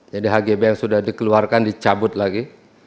jadi hgb yang sudah dikeluarkan dicabut lagi